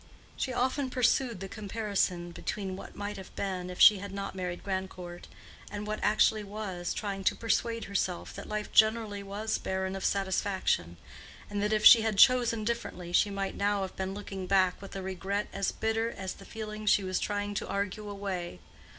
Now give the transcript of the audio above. She often pursued the comparison between what might have been, if she had not married Grandcourt, and what actually was, trying to persuade herself that life generally was barren of satisfaction, and that if she had chosen differently she might now have been looking back with a regret as bitter as the feeling she was trying to argue away.